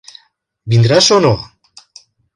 Vindràs o no?